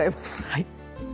はい。